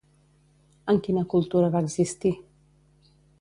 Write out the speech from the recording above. En quina cultura va existir?